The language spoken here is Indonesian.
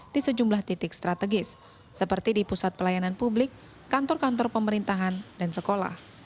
di sejumlah titik strategis seperti di pusat pelayanan publik kantor kantor pemerintahan dan sekolah